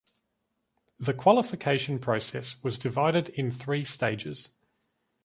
The qualification process was divided in three stages.